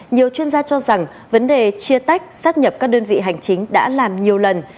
nhiều chuyên gia cho rằng vấn đề chia tách sát nhập các đơn vị hành chính đã làm nhiều lần